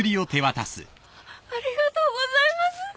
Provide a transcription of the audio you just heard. ありがとうございます。